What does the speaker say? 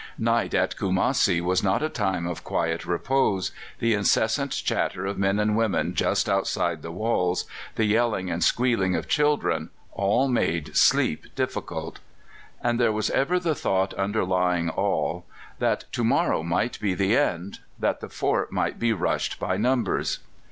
Night at Kumassi was not a time of quiet repose; the incessant chatter of the men and women just outside the walls, the yelling and squealing of children, all made sleep difficult. And there was ever the thought underlying all that to morrow might be the end, that the fort might be rushed by numbers.